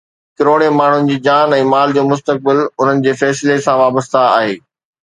ڪروڙين ماڻهن جي جان ۽ مال جو مستقبل انهن جي فيصلي سان وابسته آهي.